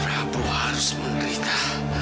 prabu harus menerita